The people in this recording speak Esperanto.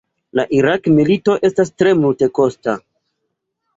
La Irak-milito estas tre multekosta.